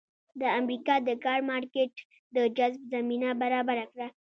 د امریکا د کار مارکېټ د جذب زمینه برابره کړه.